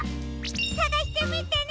さがしてみてね！